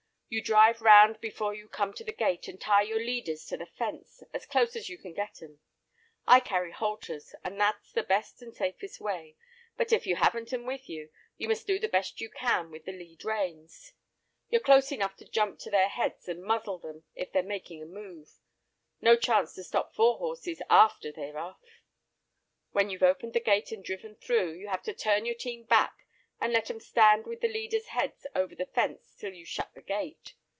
You drive round before you come to the gate and tie your leaders to the fence as close as you can get 'em. I carry halters, and that's the best and safest way; but if you haven't 'em with you, you must do the best you can with the lead reins. You're close enough to jump to their heads and muzzle 'em if they're making a move. No chance to stop four horses after they're off. When you've opened the gate and driven through, you have to turn your team back and let 'em stand with the leaders' heads over the fence till you've shut the gate.